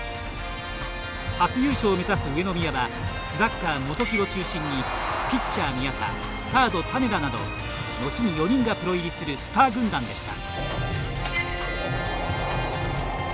初優勝を目指す上宮はスラッガー元木を中心にピッチャー宮田サード種田などのちに４人がプロ入りするスター軍団でした。